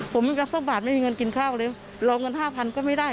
ผมไม่มีแค่สักบาทไม่มีเงินกินข้าวเลยรองเงิน๕๐๐๐ก็ไม่ได้